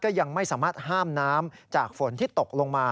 ยังไม่สามารถห้ามน้ำจากฝนที่ตกลงมา